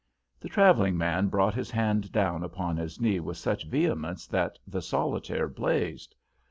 The travelling man brought his hand down upon his knee with such vehemence that the solitaire blazed.